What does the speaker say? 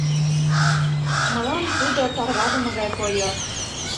Мылам тудо тарваныме гай койо.